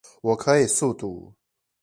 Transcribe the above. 我可以速讀